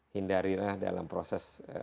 hindarinya dalam proses